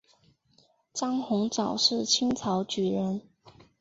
张鸿藻是清朝举人。